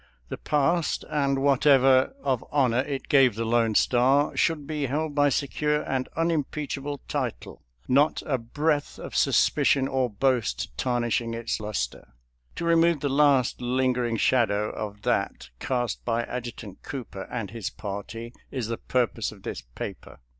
The past, and what ever of honor it gave the Lone Star, should be held by secure and unimpeachable title, not a breath of suspicion or boast tarnishing its luster. To remove the last lingering shadow of that cast by Adjutant Cooper and his party is the pur pose of this paper.